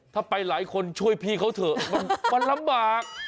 ถ้าไปหลายคนช่วยพี่เขาเถอะมันลำบาก